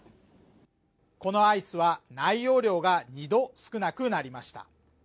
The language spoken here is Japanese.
このアイスは内容量が２度少なくなりました